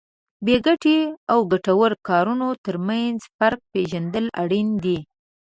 بې ګټې او ګټورو کارونو ترمنځ فرق پېژندل اړین دي.